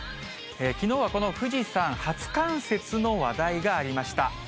きのうはこの富士山、初冠雪の話題がありました。